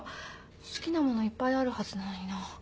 好きなものはいっぱいあるはずなのにな。